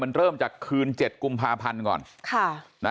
มันเริ่มจากคืน๗กุมภาพันธ์ก่อน